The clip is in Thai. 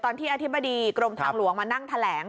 ที่อธิบดีกรมทางหลวงมานั่งแถลง